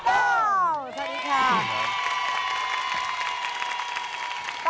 อัพลูกดาวน์สวัสดีค่ะ